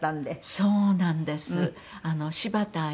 そうなんです。